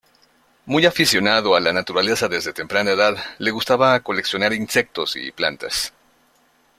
Muy aficionado a la Naturaleza desde temprana edad, le gustaba coleccionar insectos y plantas.